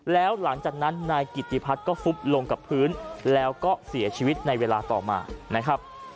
แล้วหลังจากนั้นนายกิติพัฒน์ก็ฟุบลงกับพื้นแล้วก็เสียชีวิตในเวลาต่อมานะครับ